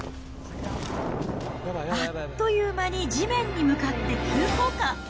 あっという間に地面に向かって急降下。